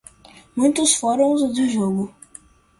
Muitos fóruns de jogos